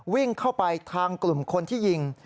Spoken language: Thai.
วิ่งเข้าไปทางกลุ่มคนที่ยิง